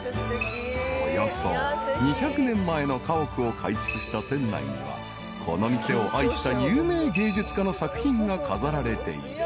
［およそ２００年前の家屋を改築した店内にはこの店を愛した有名芸術家の作品が飾られている］